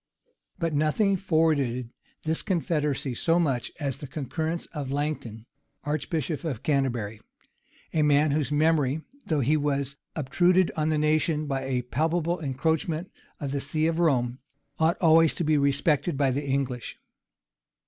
But nothing forwarded this confederacy so much as the concurrence of Langton, archbishop of Canterbury; a man whose memory, though he was obtruded on the nation by a palpable encroachment of the see of Rome, ought always to be respected by the English.